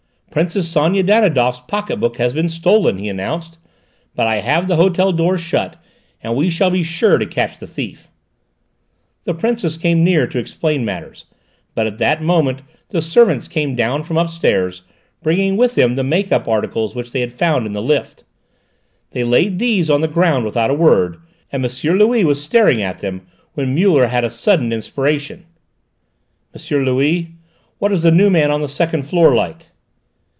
"Princess Sonia Danidoff's pocket book has been stolen," he announced; "but I have had the hotel doors shut and we shall be sure to catch the thief." The Princess came near to explain matters, but at that moment the servants came down from upstairs, bringing with them the make up articles which they had found in the lift. They laid these on the ground without a word and M. Louis was staring at them when Muller had a sudden inspiration. "M. Louis, what is the new man on the second floor like?"